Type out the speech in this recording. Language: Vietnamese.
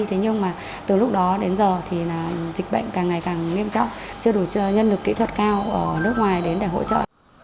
thế nhưng mà từ lúc đó đến giờ thì dịch bệnh càng ngày càng nghiêm trọng chưa đủ nhân lực kỹ thuật cao ở nước ngoài đến để hỗ trợ